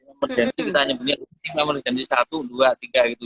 emergensi kita hanya punya emergensi satu dua tiga gitu